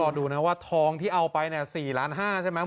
ดูนะว่าทองที่เอาไปเนี่ย๔ล้าน๕ใช่ไหม